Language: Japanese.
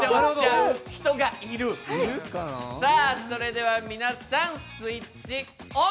それでは皆さん、スイッチオン！